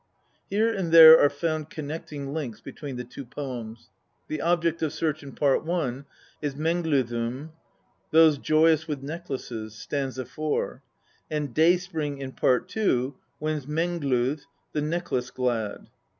Here and there are found connecting links between the poems. The object of search in Part I. is menglofrtm, those joyous with necklaces (st. 4) ; and Day spring, in Part II., wins Menglo\>, the Necklace glad.